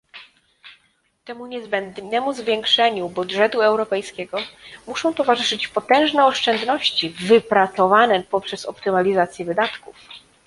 Temu niezbędnemu zwiększeniu budżetu europejskiego muszą towarzyszyć potężne oszczędności wypracowane poprzez optymalizację wydatków